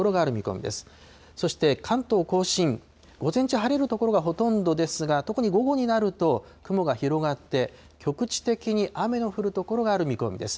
そして関東甲信、午前中、晴れる所がほとんどですが、特に午後になると、雲が広がって、局地的に雨の降る所がある見込みです。